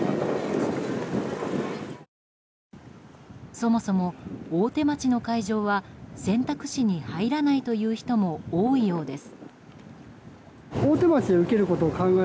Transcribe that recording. そもそも大手町の会場は選択肢に入らないという人も多いようです。